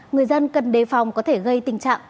người dân cần đề phòng có thể gây tình trạng